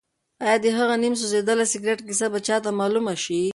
ایا د هغه نیم سوځېدلي سګرټ کیسه به چا ته معلومه شي؟